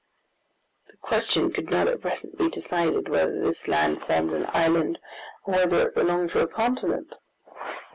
The question could not at present be decided whether this land formed an island, or whether it belonged to a continent.